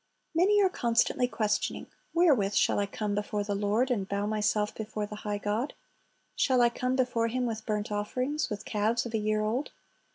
Many are constantly questioning, "Wherewith shall I come before the Lord, and bow myself before the high God? Shall I come before Him with burnt offerings, with calves of a year old?